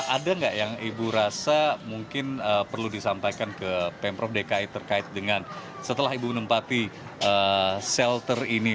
ada nggak yang ibu rasa mungkin perlu disampaikan ke pemprov dki terkait dengan setelah ibu menempati shelter ini